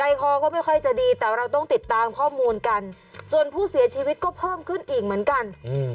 คอก็ไม่ค่อยจะดีแต่เราต้องติดตามข้อมูลกันส่วนผู้เสียชีวิตก็เพิ่มขึ้นอีกเหมือนกัน